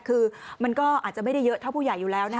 คือมันก็อาจจะไม่ได้เยอะเท่าผู้ใหญ่อยู่แล้วนะคะ